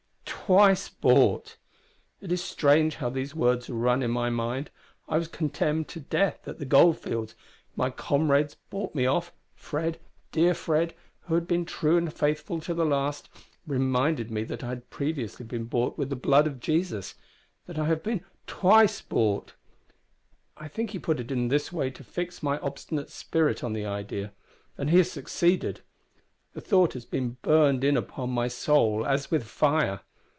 `Twice bought!' It is strange how these words run in my mind. I was condemned to death at the gold fields my comrades bought me off. Fred dear Fred who has been true and faithful to the last reminded me that I had previously been bought with the blood of Jesus that I have been twice bought! I think he put it in this way to fix my obstinate spirit on the idea, and he has succeeded. The thought has been burned in upon my soul as with fire.